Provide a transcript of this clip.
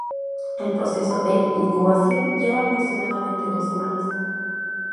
El proceso de incubación lleva aproximadamente dos semanas.